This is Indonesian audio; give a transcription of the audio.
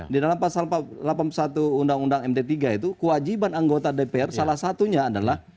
di dalam pasal delapan puluh satu undang undang md tiga itu kewajiban anggota dpr salah satunya adalah